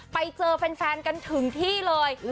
ไปเจอแฟนกันถึงที่เลย